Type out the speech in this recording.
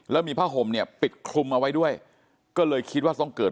แล้วมีผ้าห่มเนี่ยปิดคลุมเอาไว้ด้วยก็เลยคิดว่าต้องเกิด